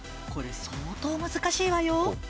これ相当難しいわよ